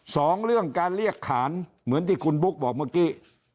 สองเรื่องการเรียกขานเหมือนที่คุณบุ๊กบอกเมื่อกี้